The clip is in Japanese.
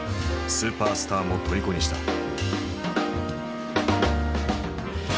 スーパースターもとりこにした。